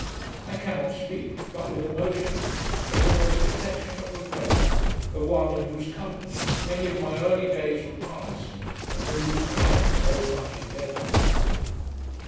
I cannot speak, but with emotions of the most affectionate regret, of one, in whose company many of my early days were passed, and to whose kindness I was much indebted.